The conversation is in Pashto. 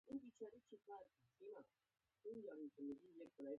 اوس دا ماشومه د دنيا له لوبو نه ناخبره ده.